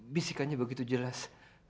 bisikannya begitu jelas